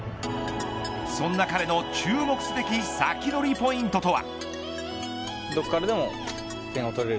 そんな彼の注目すべきサキドリポイントとは。